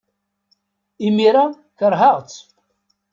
Imir-a, keṛheɣ-tt.